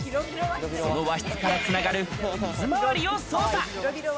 その和室からつながる水回りを捜査。